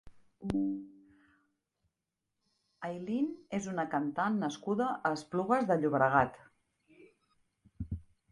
Ailyn és una cantant nascuda a Esplugues de Llobregat.